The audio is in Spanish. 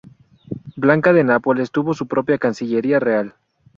Blanca de Nápoles tuvo su propia Cancillería Real.